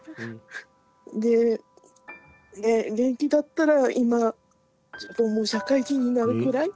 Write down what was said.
で元気だったら今ちょうどもう社会人になるくらい？